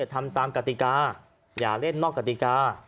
ทำตามกติกาอย่าเล่นนอกกติกา